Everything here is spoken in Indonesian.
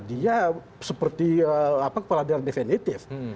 dia seperti kepala daerah definitif